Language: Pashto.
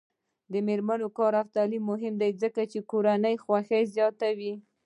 د میرمنو کار او تعلیم مهم دی ځکه چې کورنۍ خوښۍ زیاتوي.